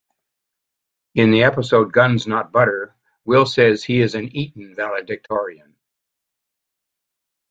In the episode Guns Not Butter, Will says he is an Eton valedictorian.